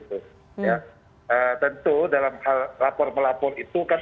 tentu dalam hal lapor melapor itu kan